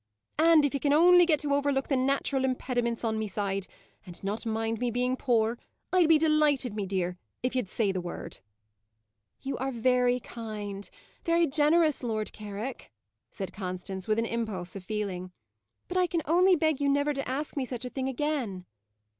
"And if ye can only get to overlook the natural impediments on me side, and not mind me being poor, I'd be delighted, me dear, if ye'd say the word." "You are very kind, very generous, Lord Carrick," said Constance, with an impulse of feeling; "but I can only beg you never to ask me such a thing again."